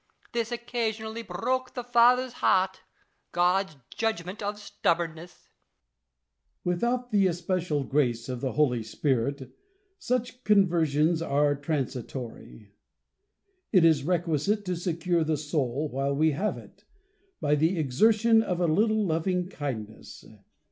This occasionally broke the father's heart — God's punishment of stubbornness ! La Chaise. Without the especial grace of the Holy Spirit, such conversions are transitory. It is requisite to secure the soul while we have it, by the exertion of a little loving kindness.